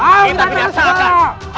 ayo kita tangkap sebarah